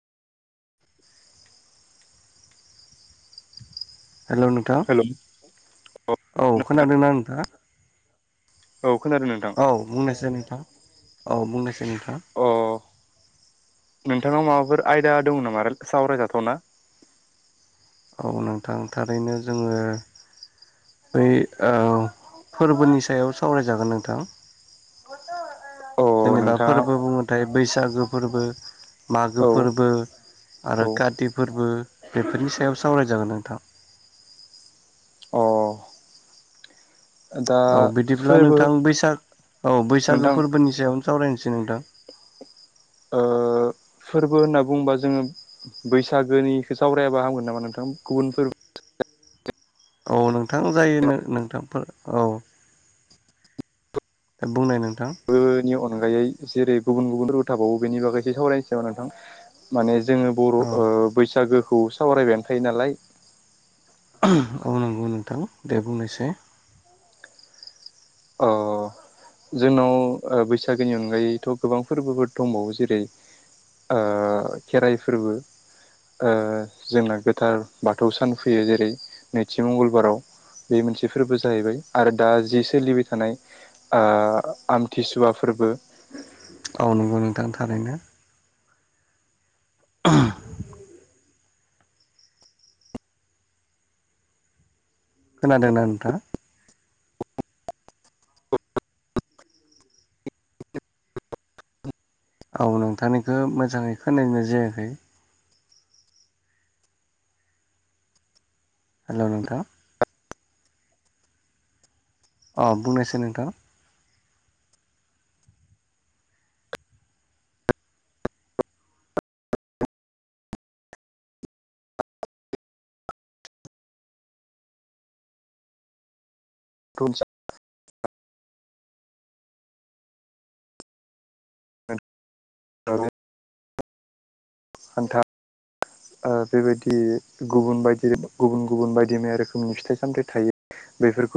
[unintelligible] Hello नोंथां hello औ औ खोनादोंना नोंथाङा? खोनादों नोंथां औ बुंनायसाय नोंथां औ बुंनायसाय नोंथां अ नोंथांनाव माबाफोर आयदा दं नामा सावरायजाथावना? औ नोंथां थारैनो जोङो बै ओ फोरबोनि सायाव सावरायजागोन नोंथां। बेखनथ' ओ औ। जेनेबा फोरबो बुङोथाय बैसागो फोरबो। मागो औ फोरबो आरो काति फोरबो। बेफोरनि सायाव सावराय जागोन नोंथां। औ अ दा औ बिदिब्ला फोरबो नोंथां बैसाग औ बैसागो नोंथां फोरबोनि सायावनो सावरायनो- सै नोंथां। ओ फोरबो होनना बुङोबा जोङो बैसागोनिखो सावरायाबा हामगोन नामा नोंथां गुबुन फोरबो औ नोंथां जायो नों नोंथांफोर औ। बुंनाय नोंथां। गोनि अनगायै जेरै गुबुन-गुबुन [unintelligible] थाबावो बेनि बागै इसे सावरायनोसै नामा नोंथां माने जोङो बर' औ ओ बैसागोखौ सावरायबायानो थायो नालाय। औ नंगौ नोंथां दे बुंनायसाय अ जोंनाव ओ बैसागोनि अनगायैथ' गोबां फोरबोफोर दंबावो। जेरै ओ खेराइ फोरबो। ओ जोंना गोथार बाथौ सान फैयो जेरै नैथि मंगलबाराव। बे मोनसे फोरबो जाहैबाय आरो दा जि सोलिबाय थांनाय ओ आमथिसुवा फोरबो। औ नंगौ नोंथां थारैनो। [unintelligible] खोनादोंना नोंथाङा? आं नोंथांनिखौ मोजाङै खोनानाय जायाखै। हेलौ नोंथां। अ बुंनायसाय नोंथां। [unintelligible] [inaudible] हान्था ओ बेबायदि गुबुन बायदि गुबुन-गुबुन बायदि मैया रोखोमनि फिथाइ सामथाय थायो। बेफोरखौ